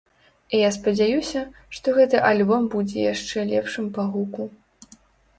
І я спадзяюся, што гэты альбом будзе яшчэ лепшым па гуку.